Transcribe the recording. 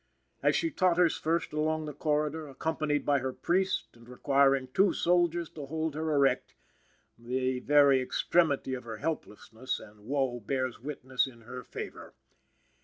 As she totters first along the corridor, accompanied by her priest and requiring two soldiers to hold her erect, the very extremity of her helplessness and woe bears witness in her favor.